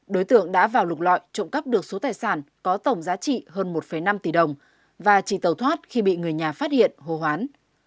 đối tượng đã vào lục lọi trộm cắp được số tài sản có tổng giá trị hơn một năm tỷ đồng và chỉ tàu thoát khi bị người nhà phát hiện hồ hoán